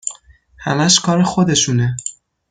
همش کار خودشونه